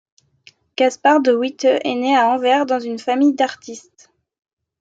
Gaspar de Witte est né à Anvers dans une famille d'artistes.